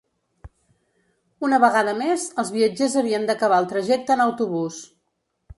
Una vegada més, els viatgers havien d’acabar el trajecte en autobús.